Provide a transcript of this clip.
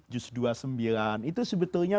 jus dua puluh sembilan itu sebetulnya